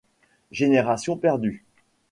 Génération perdue.